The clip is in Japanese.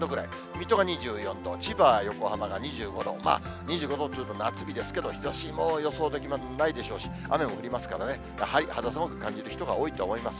水戸が２４度、千葉、横浜が２５度、２５度っていうと夏日ですけど、日ざしも予想できないでしょうし、雨も降りますからね、肌寒く感じる人が多いと思います。